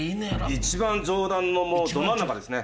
一番上段のもうど真ん中ですね。